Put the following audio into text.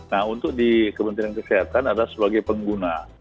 nah untuk di kementerian kesehatan adalah sebagai pengguna